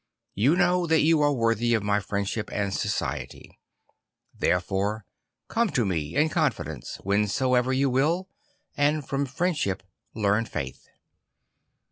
You know that you are worthy of my friendship and society; there fore come to me, in confidence, whensoever you will, and from friendship learn faith."